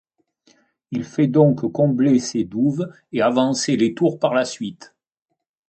Il fait donc combler ces douves et avancer les tours par la suite.